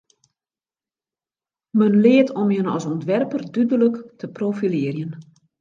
Men leart om jin as ûntwerper dúdlik te profilearjen.